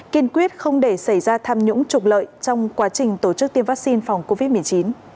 kiên quyết không để xảy ra tham nhũng trục lợi trong quá trình tổ chức tiêm vaccine phòng covid một mươi chín